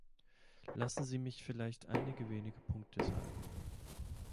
Lassen Sie mich vielleicht einige wenige Punkte sagen.